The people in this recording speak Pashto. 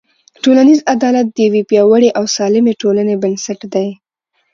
ټولنیز عدالت د یوې پیاوړې او سالمې ټولنې بنسټ دی.